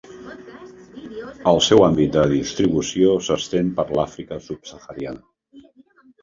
El seu àmbit de distribució s'estén per l'Àfrica subsahariana.